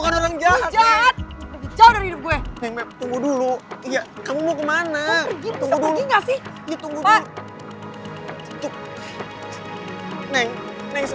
neng sebentar neng tunggu dulu neng